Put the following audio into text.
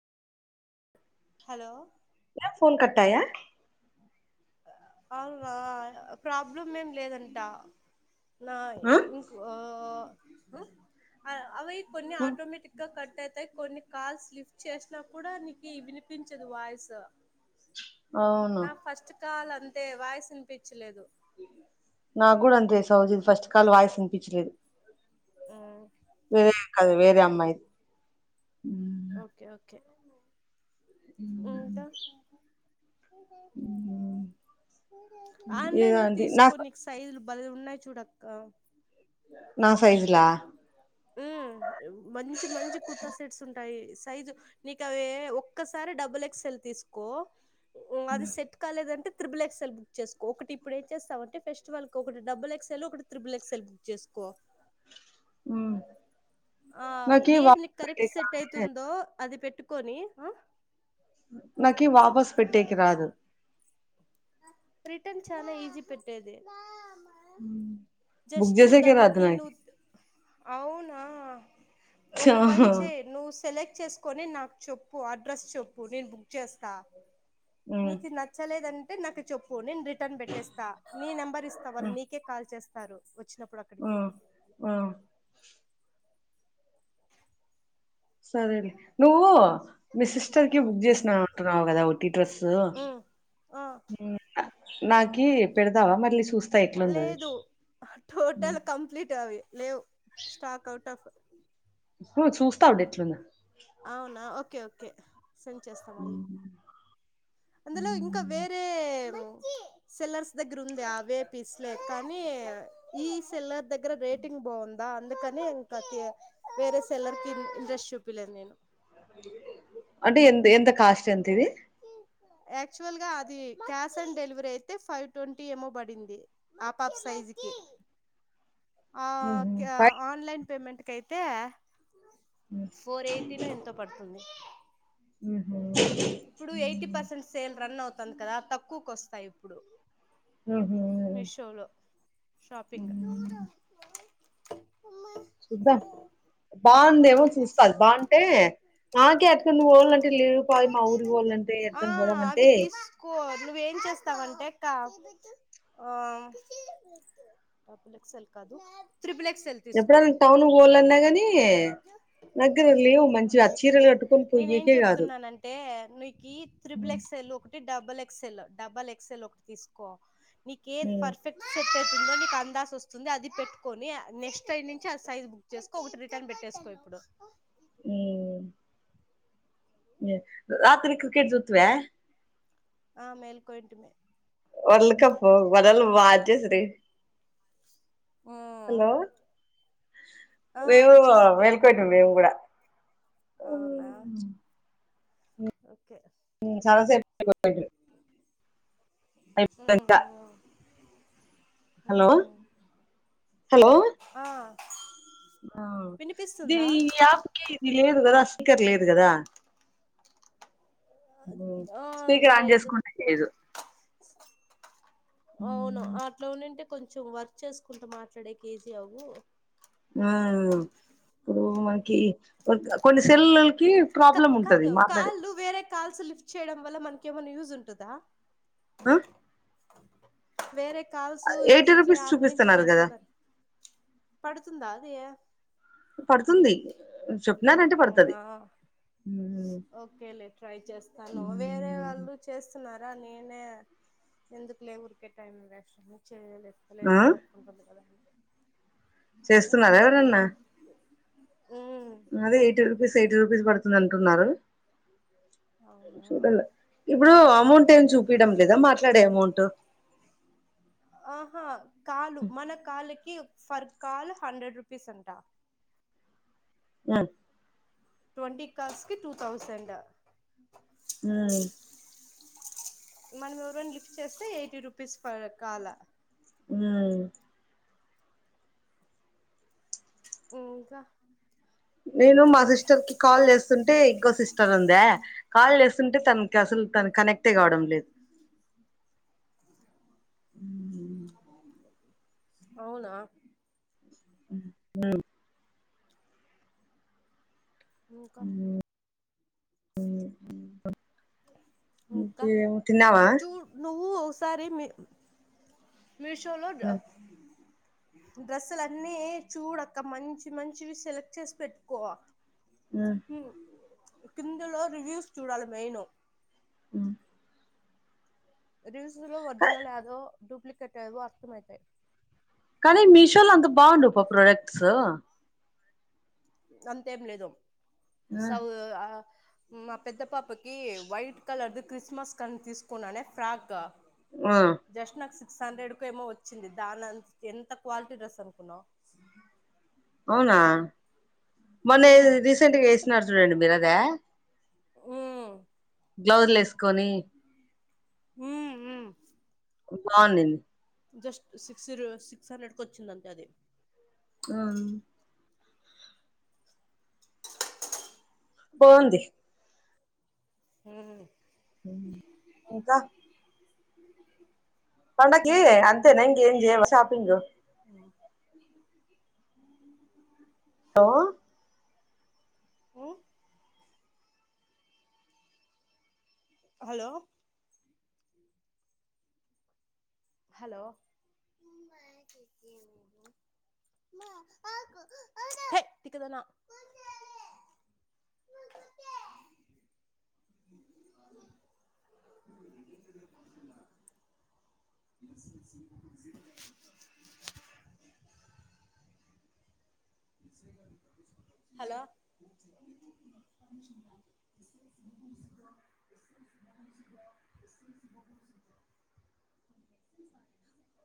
Hello టయా అవునా problem ఏం లేదంటా? నా ఆ ఇంక్ ఓ అవ్ అవై కొన్ని ఆటోమేటిక్గా కట్ అయితయ్ కొన్ని కాల్స్ లిఫ్ట్ చేసిన కూడా నీకి వినిపించదు వాయిస్ అవును నా ఫస్ట్ కాల్ అంత యితే వాయిస్ వినిపిచ్చలేదు. నాగ్గూడా అంతే సౌజిది ఫస్ట్ కాల్ వాయిస్ వినిపిచ్చలేదు. వేరే కాదు వేరే అమ్మాయిది. ఓకే ఓకే ఇంకా ఏదో ఆన్లైన్లో అండి నా తీసుకోనీకి సైజ్లు బల్ ఉన్నాయ్ చూడక్క. నా సైజులా? ఉమ్ మంచి మంచి కుర్తా సెట్స్ ఉంట్ టయి సైజు నీకు అవే ఒక్కసారి డబుల్ ఎక్స్ ఎల్ తీసుకో మ్ అది సెట్ కాలేదంటే త్రిబుల్ ఎక్సెల్బుక్ చేస్కో ఒకటి ఇప్పుడు ఏం చేస్తావంటేె ఫెస్టివల్ కు ఒక డబుల్ ఎక్స్ ఎల్ ఒకటి త్రిబుల్ ఎక్ సెల్బుక్ చేస్కో ఉమ్ ఆ ఏది నీకు కరెక్ట్ సెట్ రాదే అయితుందో అది పెట్టుకొని ఆ నాకిీ ఈ వాపస్ పెట్టేకిరాదు. రిటన్ చాలా ఈజీ పెట్టేది. ఉమ్ జస్టు దానకి నువ్ అవునా ఒక పని చేయ్ నువ్వు సెలెక్ట్ చేసుకొని నాక్ చెప్పు అడ్రస్ చెప్పు నేను బుక్ చేస్తా ఉమ్ నీకు నచ్చలేదం అంటే నాకు చెప్పు నేను రిటర్న్ పెట్టేస్తా నీ నెంబర్ ఇస్తా వాళ్ నీకే కాల్ చేస్తారు వచ్చినప్ ఉమ్ ఉమ్ సరేలే నువ్వు మీ సిస్టర్కి బుక్ చేసినా అంటున్నావు కదా టీ డ్రస్సు ఉమ్ ఆ నాకి పెడతావా మళ్ళీ చూస్ లేదు టోటల్ కంప్లీట్ అవి లేవ్ స్టాక్ అవు స్టక్ హో చూస్తాఉండు ఎట్లున్నా? ఒకే సెండ్ చేస్తా మండి అందులో ఇంకా వేరే కీ సెల్లర్స్ దగ్గర ఉంది అవే పీస్లే కానీ ఈ సెల్లర్ దెగ్గరే రేటింగ్ బాగుందా అందుకని ఇంకా వేరే సెల్లర్ కి ఇంట్రెస్ట్ చూపిలేదు నేను అంటే ఎంత ఎంత కాస్ట్ ఎంత ఇది యాక్చువల్ గా అది క్యాష్ ఆన్ డెలివరీ అయితే ఫైవ్ ట్వంటీ ఏమో పడింది ఆపర్స సైజికి ఊహు ఫై ఆన్లైన్ పేమెంట్ కి అయితే ఫోర్ ఎయ్టీనో ఎంతో పడుతుంది. ఊహు ఇప్పుడు ఎయ్టీ పర్సెంట్ సేల్ రన్ అవుతుంది కదా తక్కువకు వస్తాయి ఇప్పుడు మ్ హు మీషోలో షాపింగ్ చూద్దాం. బాగుందేమో చూస్తది బాగుంటే నాకే ఏడ్కన్నా పోవాలంటే లేవ్ [unintelligible] మా ఊర్ ఆ అది తీస్కో నువ్వేం చేస్తావంటే? డబల్ ఎక్సెల్ కాదు త్రిబుల్ ఎక్సెల్ తీసుకో ఎప్పుడన్నా టౌన్ పోలన్నా గాని నా దగ్గర లేవ్ మంచిగా ఆ చీరలు క ట్టుకొని పోయ్యకే కాదు అంటే నీకీ త్రిబుల్ ఉమ్ ఎక్సెల్ ఒకటి డబుల్ ఎక్సెల్ డబల్ ఎక్సెల్ ఒకటి తీసుకో నీకేది పర్ఫెక్ట్ సెట్ అతుందో నీకు అందాస వస్తుంది అది పెట్టుకొని నెక్స్ట్ టైం నుంచి అది బుక్ చేసుకో ఒకటి రిటర్న్ పెట్టేసుకో [inaudible] ఉమ్ రాత్రి క్రికెట్ జుత్తివా ఆ మేల్కోయింటిమే వరల్డ్ కప్ వరల్డ్ వాచ్ శ్రీ ఆ హలో ఆ రేపు ఆ చూస్తి మెయిల్కొంటి మేము కూడా అ అవునా ఓకే సరసేయిటు [unintelligible] ఆ హలో హలో ఆ ఆ ది వినిపిస్తుందా ఈ యాప్ కి ఇది లేదు కదా స్పీకర్ లేదు కదా ఆ స్పీకర్ ఆన్ లేదు చేసుకుంటానీకీలేదు అవును అట్లో నుంటే కొంచెం వర్క్ చేసుకుంటూ మాట్లాడేక ఈజీ అవు ఆ ఇప్పుడు మనకి కొన్ని సెల్ కి క ప్రాబ్లమ్ ఉంటది కాదు మాట్లాడే కాళ్ళు వేరే కాల్స్ లిఫ్ట్ చేయడం వల్ల మనకు ఏమన్నా యూస్ ఉంటద ఆ వేరే కాల్సు ఎయిటీ దీంట్లో రూపీస్ యాప్ నుంచి చూపిస్తున్నారు కదా చేస్తన్నారు పడు తాదియే పడుతుంది చెప్పినారు అంటే పడతది అవునా ఓకేలే ట్రై చేస్తాను వేరే వాళ్ళు చేస్తున్నారు నేనే ఎందుకులే ఊరుకే టైం వేస్ట్ ఆ చేయనిత్తలేదు వర్క్ ఉంటుంది కదా చేస్తున్నారా ఎవరన్నా ఉ అదే ఎయిటీ రుపీస్ ఎయిటీ రూపీస్ పడుతుంది అంటున్నారు అవునా చూడాలే ఇప్పుడు అమౌంట్ ఏమి లేదులే. చూపిడం లేదా మాట్లాడే అమౌంట్ ఆహా కాలు మన కాలు క ఫర్కాల్ హండ్రెడ్ రుపీస్ ఉంటా ఆ ట్వంటీ కాల్స్ కి టు థౌసండ్ ఆ మనం ఎవరైనా లిఫ్ట్ చేస్తే ఎయిటీ రూపీస్ ప కాల అ ఇ ఇంకా నేను మా సిస్టర్ కి కాల్ చేస్తుంటే ఇంకో సిస్టర్ ఉందా కాల్ చేస్తుంటే తన అసలు తను కనెక్ట్ కావడం లేదు అవునా [inaudible] [inaudible] అ ఇంకా తిన్నావా చూడు నువ్వు ఓసారి మీ మీషోలో ఉమ్ డ్రెస్సులన్నీ చూడక్క మంచి మంచివి సెలెక్ట్ చేసి పెట్టుకో ఉమ్ కిందలో రివ్యూస్ చూడాలి మెయిను హ్మ్మ్ రివ్యూస్ లో ఒరిజినల్ ఏదో డూప్లికేట్ ఏదో అర్థమవుతాయి కానీ మీషో లో అంత బాగుండవు పా ప్రొడక్ట్స్ అంతేం లేదు ఆ సౌ ఆ మా పెద్ద పాపకి వైట్ కలర్ ది క్రిస్మస్ కని తీసుకున్నానే ఫ్రాక్ జస్ట్ నాక్ సిక్స్ హండ్రెడ్ కు ఏమో వచ్చింది దానింత ఎంత క్వాలిటీ డ్రెస్ అనుకున్నావు అవునా మొన్న మ్మ్ రీసెంట్ గా వేసినారు చూడండి మీరు అదా ఉమ్ గ్లౌజ్లు వేసుకొని ఉమ్ ఉమ్ బావునింది జస్ట్ సిక్స్ సిక్స్ హండ్రెడ్ కు వచ్చిందంటే అది హ్మ్మ్ బావుంది హ్మ్మ్ హ్మ్మ్ ఇంకా పండక్కి అంతే న ఇంకేం లేవా షాపింగు ఆ ఉ హలో హలో కుదనా అంది [inaudible] [inaudible] హలో [inaudible] [inaudible]